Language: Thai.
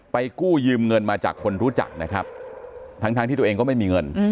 กู้ยืมเงินมาจากคนรู้จักนะครับทั้งที่ตัวเองก็ไม่มีเงิน